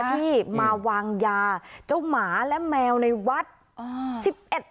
ที่มาวางยาเจ้าหมาและแมวในวัด